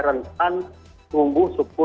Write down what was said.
rentan mengunggu suku